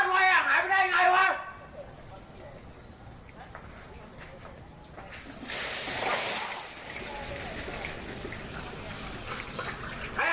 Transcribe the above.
ขอบคุณพระเจ้า